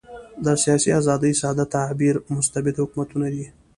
د سیاسي آزادۍ ساده تعبیر مستبد حکومت نه دی.